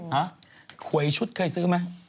ฮะหวยชุดเคยซื้อไหม